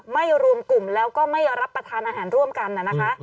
ไม่รวมกลุ่มแล้วก็ไม่รับประทานอาหารร่วมกันนะคะ